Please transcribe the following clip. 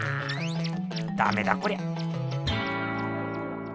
ダメだこりゃ。